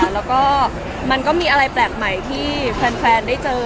แล้วก็มันก็มีอะไรแปลกใหม่ที่แฟนได้เจอ